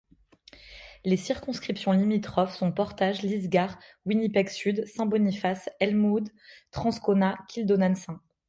Les circonscriptions limitrophes sont Portage—Lisgar, Winnipeg-Sud, Saint-Boniface, Elmwood—Transcona, Kildonan—St.